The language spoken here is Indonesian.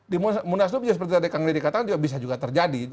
dimunaslub seperti tadi kang nedi katakan bisa juga terjadi